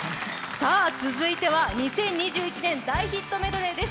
続いては２０２１年大ヒットメドレーです。